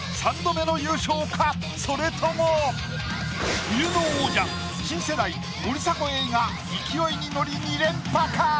それとも冬の王者新世代森迫永依が勢いに乗り２連覇か？